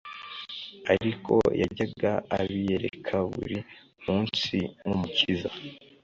Ariko yajyaga abiyereka buri munsi nk'Umukiza,